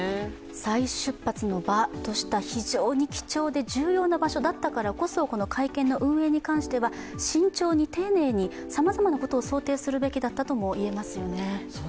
再出発の場とした非常に貴重で重要な場所だったからこそ、この会見の運営に関しては慎重に丁寧にさまざまなことを想定するべきだったともいえますよね。